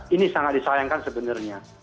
ini sangat disayangkan sebenarnya